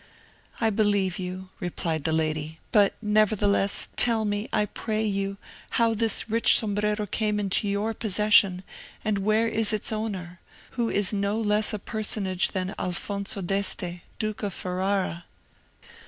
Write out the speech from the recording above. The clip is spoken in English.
"I believe you," replied the lady; "but, nevertheless, tell me, I pray you, how this rich sombrero came into your possession, and where is its owner? who is no less a personage than Alfonso d'Este, Duke of Ferrara."